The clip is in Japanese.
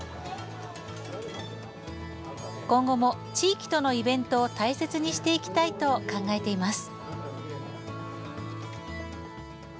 今後も地域とのイベントを大切にしていきたいと考えています。